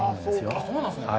あっ、そうなんですね。